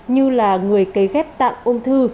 như là người kế ghép tạng ôn thư